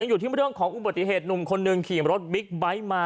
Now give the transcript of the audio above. อยู่ที่เรื่องของอุบัติเหตุหนุ่มคนหนึ่งขี่รถบิ๊กไบท์มา